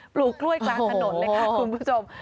ปลูกกล้วยกลางถนนเลยค่ะคุณผู้ชม